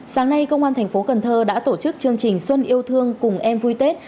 sáng nay công an thành phố cần thơ đã tổ chức chương trình xuân yêu thương cùng em vui tết